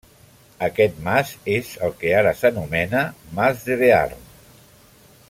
Aquest mas és el que ara s'anomena Mas de Bearn.